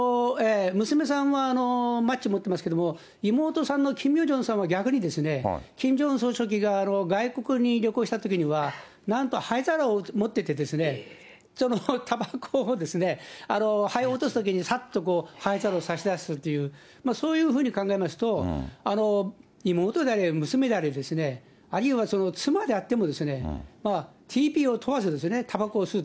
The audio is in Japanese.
娘さんは、マッチ持ってますけども、妹さんのキム・ヨジョンさんは、逆に、キム・ジョンウン総書記が外国に旅行したときには、なんと灰皿を持っててですね、そのたばこを、灰を落とすときにさっとこう、灰皿を差し出すという、そういうふうに考えますと、妹であれ、娘であれ、あるいは妻であっても、ＴＰＯを問わずたばこを吸う。